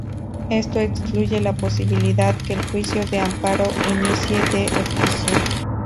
Esto excluye la posibilidad que el juicio de amparo inicie de oficio.